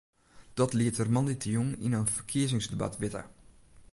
Dat liet er moandeitejûn yn in ferkiezingsdebat witte.